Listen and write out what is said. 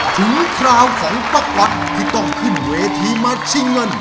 คราวของป้าก๊อตที่ต้องขึ้นเวทีมาชิงเงิน